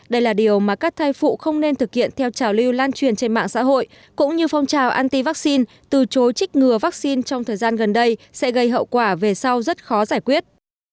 đây là điều mà các thai phụ không nên thực hiện theo trào lưu lan truyền trên mạng xã hội cũng như phong trào anti vắc xin từ chối chí trích ngừa vaccine trong thời gian gần đây sẽ gây hậu quả về sau rất khó giải quyết